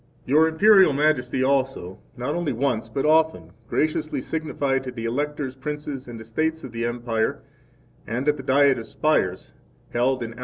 15 Your Imperial Majesty also, not only once but often, graciously signified to the Electors Princes, and Estates of the Empire, and at the Diet of Spires held A.D.